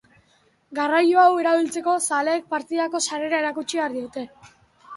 Garraio hau erabiltzeko, zaleek partidako sarrera erakutsi beharko dute.